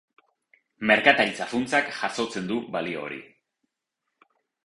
Merkataritza-funtsak jasotzen du balio hori.